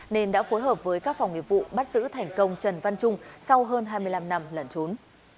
nên đã phối hợp với các phòng nghiệp vụ bắt giữ thành công trần văn trung sau hơn hai mươi năm năm lẩn trốn